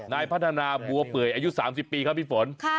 นายพัฒนาบัวเปื่อยอายุ๓๐ปีครับพี่ฝน